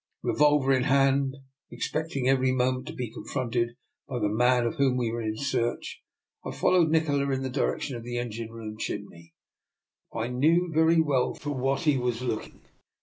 Revolver in hand, expecting every moment to be confronted by the man of whom we were in search, I followed Nikola in the direction of the engine room chimney. I knew very well for what he was looking.